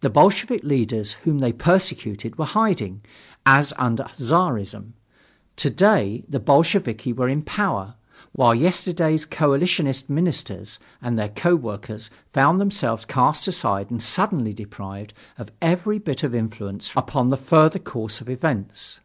The Bolshevik leaders whom they persecuted were in hiding, as under Czarism. To day the Bolsheviki were in power, while yesterday's coalitionist ministers and their co workers found themselves cast aside and suddenly deprived of every bit of influence upon the further course of events.